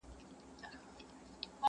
o اوس په خوب کي هره شپه زه خوبان وینم.